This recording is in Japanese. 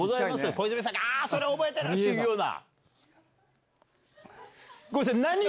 小泉さんがそれ覚えてる！って言うような。